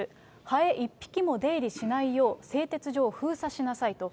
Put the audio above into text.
ハエ一匹も出入りしないよう、製鉄所を封鎖しなさいと。